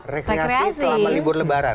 rekreasi selama libur lebaran